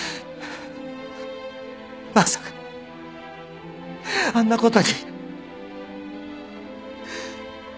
まさかあんなことに。